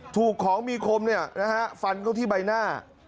ถูกของมีคมนะฮะฟันก็ที่ใบหน้า